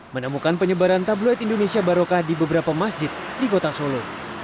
menemukan penyebaran tabloid indonesia barokah di beberapa masjid di kota solo